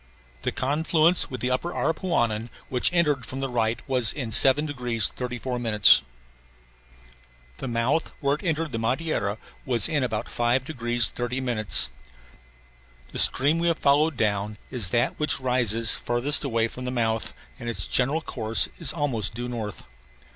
The confluence with the upper Aripuanan, which entered from the right, was in 7 degrees 34 minutes. The mouth where it entered the Madeira was in about 5 degrees 30 minutes. The stream we have followed down is that which rises farthest away from the mouth and its general course is almost due north.